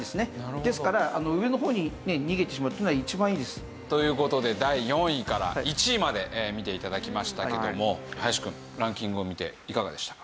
ですから上の方に逃げてしまうっていうのは一番いいです。という事で第４位から１位まで見て頂きましたけども林くんランキングを見ていかがでしたか？